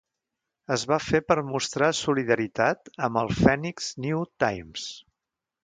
Es va fer per mostrar solidaritat amb el "Phoenix New Times".